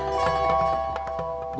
bro bang ustadz tau bro